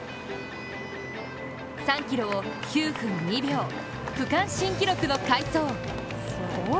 ３ｋｍを９分２秒、区間新記録の快走。